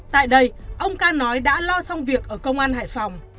tại đây ông ca nói đã lo xong việc ở công an hải phòng